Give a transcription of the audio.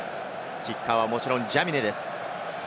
キッカーはもちろんジャミネです。